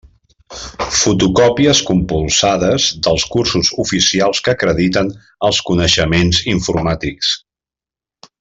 Fotocòpies compulsades dels cursos oficials que acrediten els coneixements informàtics.